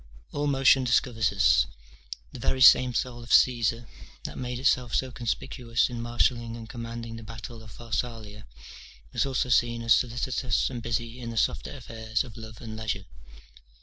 All motion discovers us: the very same soul of Caesar, that made itself so conspicuous in marshalling and commanding the battle of Pharsalia, was also seen as solicitous and busy in the softer affairs of love and leisure.